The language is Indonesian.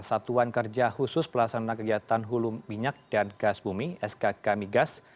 satuan kerja khusus pelaksana kegiatan hulu minyak dan gas bumi skk migas